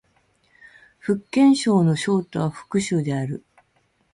福建省の省都は福州である